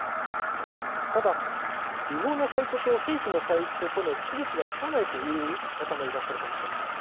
ただ、違法なサイトと正規のサイトとの区別がつかないという方もいらっしゃるかもしれません。